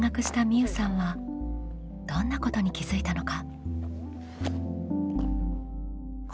うさんはどんなことに気づいたのか？